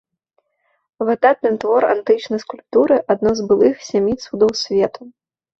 Выдатны твор антычнай скульптуры, адно з былых сямі цудаў свету.